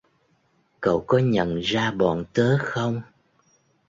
Cậu có nhận ra bọn tớ không